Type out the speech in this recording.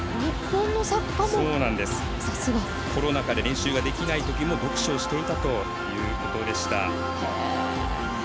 コロナ禍で練習できないときも読書していたということでした。